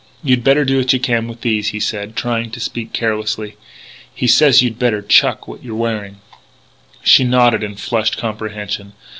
"You'd better do what you can with these," he said, trying to speak carelessly.... "He says you'd better chuck what you're wearing " She nodded in flushed comprehension.